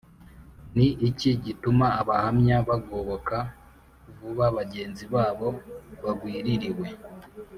Ni iki gituma Abahamya bagoboka vuba bagenzi babo bagwiririwe